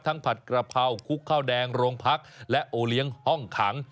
ผัดกระเพราคุกข้าวแดงโรงพักและโอเลี้ยงห้องขัง